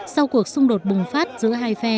sau cuộc xung đột bùng phát giữa hai phê